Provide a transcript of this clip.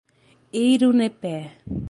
Eirunepé